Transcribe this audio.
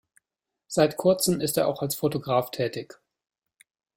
Seit kurzem ist er auch als Fotograf tätig.